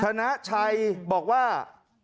ชนะชัยบอกว่า